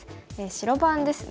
白番ですね。